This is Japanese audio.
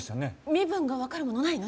身分がわかるものないの？